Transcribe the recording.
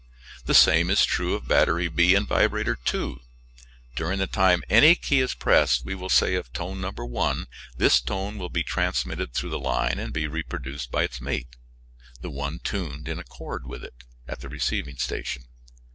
The same is true of battery B´ and vibrator 2. During the time any key is depressed we will say of tone No. 1 this tone will be transmitted through the line and be reproduced by its mate the one tuned in accord with it at the receiving station.